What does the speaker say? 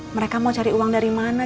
mereka mau cari uang dari mana